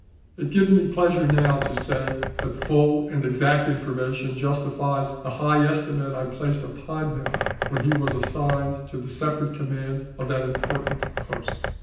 It gives me pleasure now to say that full and exact information justifies the high estimate I placed upon him when he was assigned to the separate command of that important post.